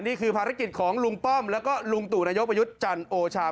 นี่คือภารกิจของลุงป้อมแล้วก็ลุงตู่นายกประยุทธ์จันทร์โอชา